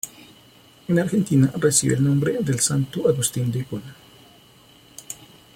En Argentina recibe el nombre del santo Agustín de Hipona.